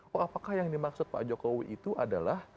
oh apakah yang dimaksud pak jokowi itu adalah